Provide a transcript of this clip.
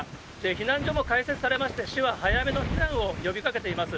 避難所も開設されまして、市は早めの避難を呼びかけています。